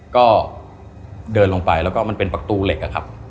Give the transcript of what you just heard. ก็เดินลงไปแล้วก็มันเป็นประตูเหล็กอะครับ